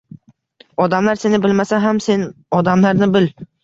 Odamlar seni bilmasa ham, sen odamlarni bil.